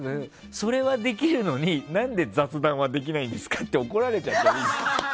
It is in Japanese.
それはできるのに何で雑談はできないんですかって怒られちゃった。